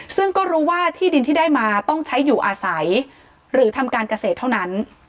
ซึ่งก็รู้ว่าที่ดินที่ได้มาต้องใช้อยู่อาศัยหรือทำการเกษตรเท่านั้น